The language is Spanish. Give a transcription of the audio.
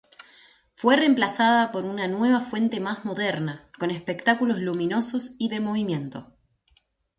Fue reemplazada por una nueva fuente más moderna, con espectáculos luminosos y de movimiento.